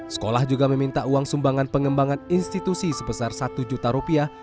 sekolah juga meminta uang sumbangan pengembangan institusi sebesar satu juta rupiah